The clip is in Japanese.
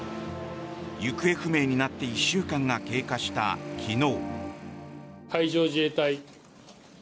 行方不明になって１週間が経過した昨日。